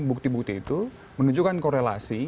bukti bukti itu menunjukkan korelasi